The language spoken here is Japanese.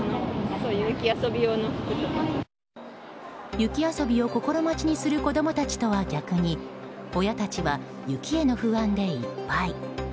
雪遊びを心待ちにする子供たちとは逆に親たちは雪への不安でいっぱい。